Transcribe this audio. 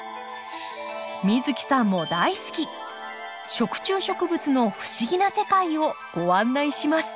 美月さんも大好き食虫植物の不思議な世界をご案内します。